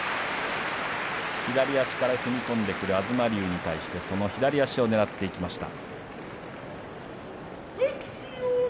左足から踏み込んでくる東龍に対してその左足をねらっていきました。